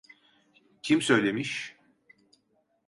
Kim söylemiş?